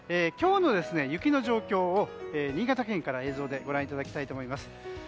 今日の雪の状況を新潟県から映像でご覧いただきたいと思います。